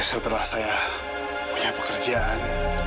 setelah saya punya pekerjaan